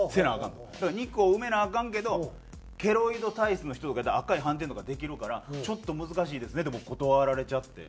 だから肉を埋めなアカンけどケロイド体質の人とかやったら赤い斑点とかできるから「ちょっと難しいですね」って断られちゃって。